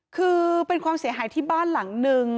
คือเป็นความเสียหายที่บ้านหลังนึง